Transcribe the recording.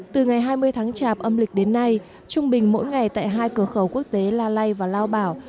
từ ngày hai mươi tháng chạp âm lịch đến nay trung bình mỗi ngày tại hai cửa khẩu quốc tế la lây và lao bảo